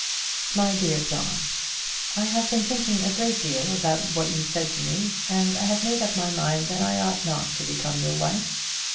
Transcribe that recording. MY DEAR JOHN, I have been thinking a great deal about what you said to me, and I have made up my mind that I ought not to become your wife.